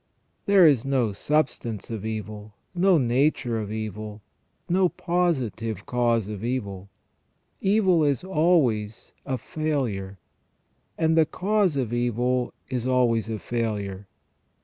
There is no substance of evil, no nature of evil, no positive cause of evil. Evil is always a failure, and the cause of evil is always a failure.